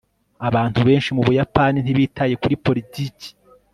abantu benshi mu buyapani ntibitaye kuri politiki